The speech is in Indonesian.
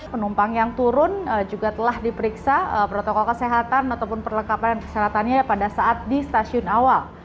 penumpang yang turun juga telah diperiksa protokol kesehatan ataupun perlengkapan kesehatannya pada saat di stasiun awal